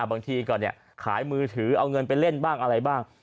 บางทีก็ขายมือถือเอาเงินไปเล่นบ้างอะไรบ้าง